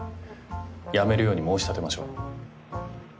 やめるように申し立てましょう。